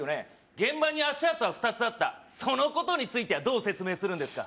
現場に足跡は２つあったそのことについてはどう説明するんですか？